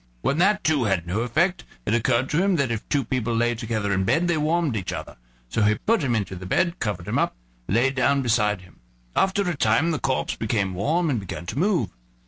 When that too had no effect it occurred to him that if two people lay together in bed they warmed each other; so he put him into the bed, covered him up, and lay down beside him; after a time the corpse became warm and began to move.